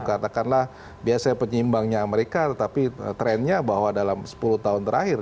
katakanlah biasanya penyimbangnya amerika tetapi trennya bahwa dalam sepuluh tahun terakhir